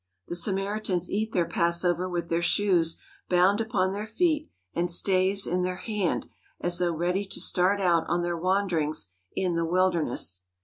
The Samaritans eat their Passover with their shoes bound upon their feet and staves in their hand as though ready to start out on their wanderings in the wilderness.